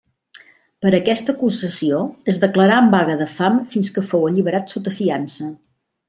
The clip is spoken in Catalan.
Per aquesta acusació es declarà en vaga de fam fins que fou alliberat sota fiança.